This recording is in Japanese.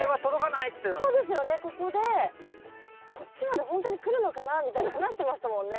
ここでこっちまでほんとにくるのかなみたいに話してましたもんね。